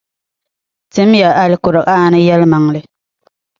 Timiya Alkur’aani yɛlimaŋli.